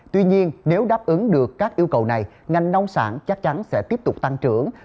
tuy nhiên nếu đáp ứng được các yêu cầu này ngành nông sản chắc chắn sẽ tiếp tục tăng trưởng